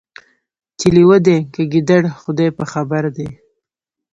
چي لېوه دی که ګیدړ خدای په خبر دی